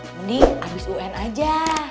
mending abis un aja